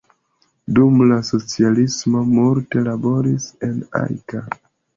Dum la socialismo multe laboris en Ajka.